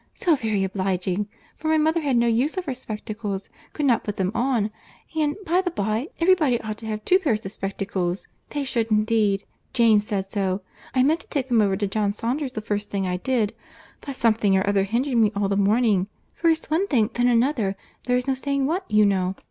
—So very obliging!—For my mother had no use of her spectacles—could not put them on. And, by the bye, every body ought to have two pair of spectacles; they should indeed. Jane said so. I meant to take them over to John Saunders the first thing I did, but something or other hindered me all the morning; first one thing, then another, there is no saying what, you know.